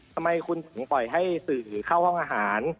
ทำไมคุณถึงปล่อยให้สื่อเข้าห้องอาหาร